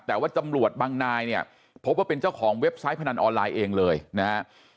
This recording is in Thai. แต่ว่าตำรวจบางนายเนี่ยพบว่าเป็นเจ้าของเว็บไซต์พนันออนไลน์เองเลยนะฮะ